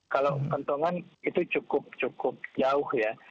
kalau kentongan itu cukup cukup jauh ya